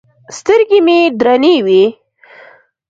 سترګې مې درنې وې.